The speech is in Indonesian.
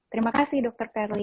terima kasih dokter ferli